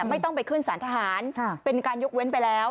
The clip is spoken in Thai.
ไม่ต้องไปขึ้นสารทหารเป็นการยกเว้นไปแล้ว